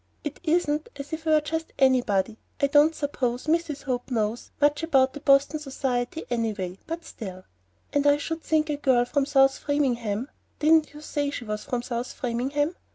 It isn't as if I were just anybody. I don't suppose Mrs. Hope knows much about Boston society anyway, but still And I should think a girl from South Framingham (didn't you say she was from South Framingham?)